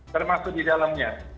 termasuk di dalamnya